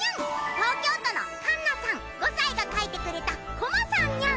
東京都のカンナさん５歳が描いてくれたコマさんニャン！